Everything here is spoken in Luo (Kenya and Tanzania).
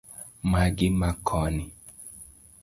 Magi ma koni